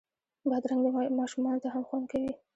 بادرنګ ماشومانو ته هم خوند کوي.